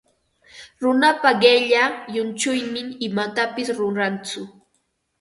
Runapa qilla llunchuynin imatapis rurantsu.